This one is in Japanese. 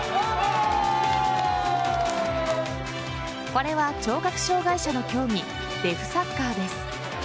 これは聴覚障害者の競技デフサッカーです。